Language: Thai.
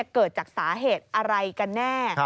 เกิดจากสาเหตุอะไรกันแน่